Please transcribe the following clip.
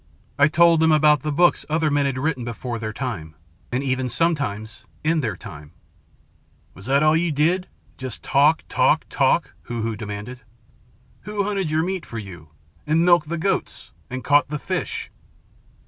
I told them about the books other men had written before their time, and even, sometimes, in their time " "Was that all you did? just talk, talk, talk?" Hoo Hoo demanded. "Who hunted your meat for you? and milked the goats? and caught the fish?"